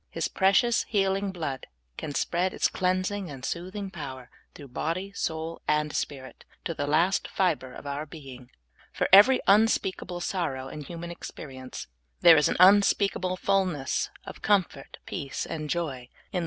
His precious, healing blood can spread its cleansing and soothing power through body, soul, and spirit, to the last fibre of our being. For every unspeakable sorrow in human experience, there is an unspeakable fullness of comfort, peace, and joy in the OUR NEED OF HUMILITY.